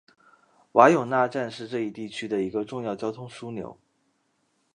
瓦永纳站是这一地区的一个重要交通枢纽。